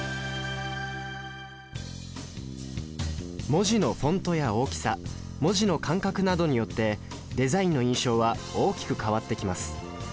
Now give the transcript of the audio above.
文字のフォントや大きさ文字の間隔などによってデザインの印象は大きく変わってきます